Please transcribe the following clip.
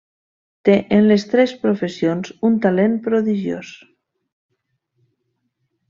Té en les tres professions un talent prodigiós.